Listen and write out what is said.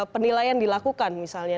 penilaian dilakukan misalnya